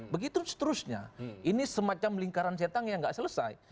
begitu seterusnya ini semacam lingkaran setang yang nggak selesai